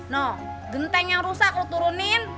nah ganteng yang rusak lu turunin